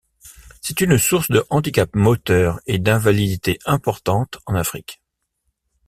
C'est une source de handicap moteur et d'invalidité importante en Afrique.